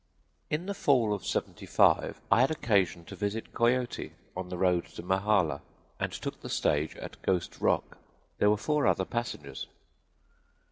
"In the fall of '75 I had occasion to visit Coyote, on the road to Mahala, and took the stage at Ghost Rock. There were four other passengers.